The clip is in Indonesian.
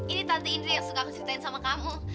ini tante indri yang suka kuceritain sama kamu